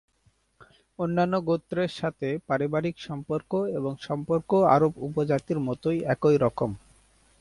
অন্যান্য গোত্রের সাথে পারিবারিক সম্পর্ক এবং সম্পর্ক আরব উপজাতির মতোই একই রকম।